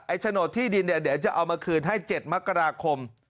ไอ้ฉโนธรที่ดินจะเอามาคืนให้๗มกราคม